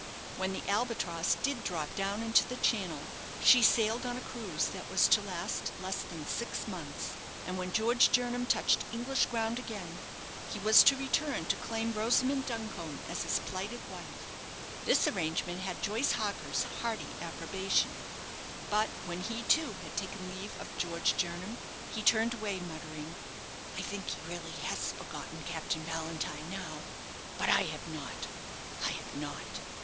When the "Albatross" did drop down into the Channel, she sailed on a cruise that was to last less than six months; and when George Jernam touched English ground again, he was to return to claim Rosamond Duncombe as his plighted wife. This arrangement had Joyce Harker's hearty approbation; but when he, too, had taken leave of George Jernam, he turned away muttering, "I think he really has forgotten Captain Valentine now; but I have not, I have not.